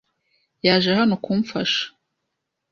Yaje hano kumfasha.